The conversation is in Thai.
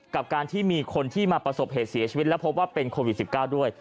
กับการที่มีคนที่มาประสบเหตุเสียชีวิตและพบว่าเป็นโควิด๑๙ด้วย